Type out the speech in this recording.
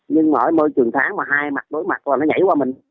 nhưng ở môi trường tháng mà hai mặt đối mặt là nó nhảy qua mình